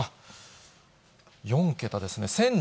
４桁ですね。